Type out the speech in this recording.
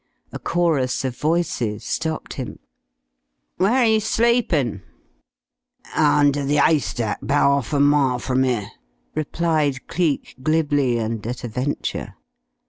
A chorus of voices stopped him. "Where you sleepin'?" "Under the 'aystack about 'arf a mile from 'ere," replied Cleek glibly and at a venture.